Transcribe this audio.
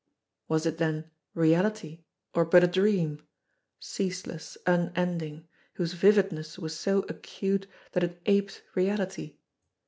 Was it then reality, or but a dream, ceaseless, unend ing, whose vividness was so acute that it aped reality